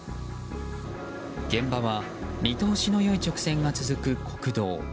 現場は見通しの良い直線が続く国道。